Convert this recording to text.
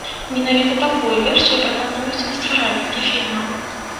Менавіта такую версію прапануюць стваральнікі фільма.